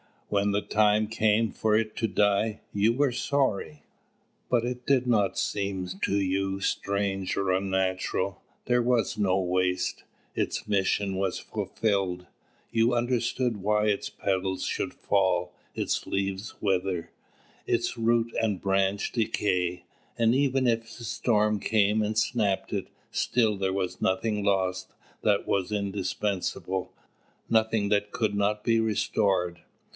When the time came for it to die, you were sorry. But it did not seem to you strange or unnatural. There was no waste. Its mission was fulfilled. You understood why its petals should fall, its leaf wither, its root and branch decay. And even if a storm came and snapped it, still there was nothing lost that was indispensable, nothing that could not be restored.